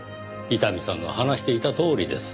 伊丹さんが話していたとおりです。